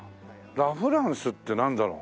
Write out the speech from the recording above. ラ・フランスってなんだろう？